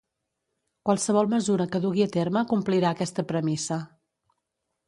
Qualsevol mesura que dugui a terme complirà aquesta premissa.